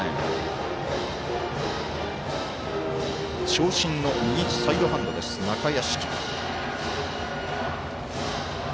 長身の右サイドハンド、中屋敷。